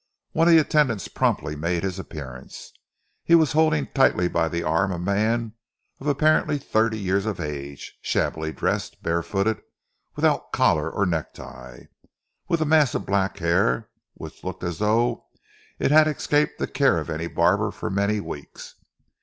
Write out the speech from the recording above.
One of the attendants promptly made his appearance. He was holding tightly by the arm a man of apparently thirty years of age, shabbily dressed, barefooted, without collar or necktie, with a mass of black hair which looked as though it had escaped the care of any barber for many weeks.